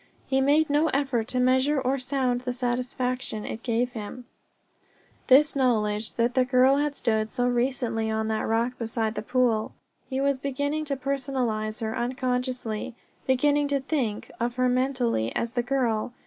He made no effort to measure or sound the satisfaction it gave him this knowledge that the girl had stood so recently on that rock beside the pool. He was beginning to personalize her unconsciously, beginning to think of her mentally as the Girl.